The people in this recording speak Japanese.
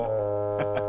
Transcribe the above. ハハハハ。